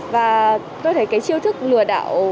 và tôi thấy cái chiêu thức lừa đảo